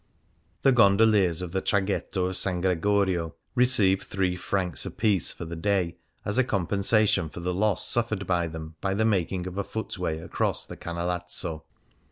The gondoliers of the traghetto of S. Gregorio receive three francs apiece for the day as com pensation for the loss suffered by them by the making of a footway across the Canalazzo.